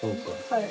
はい。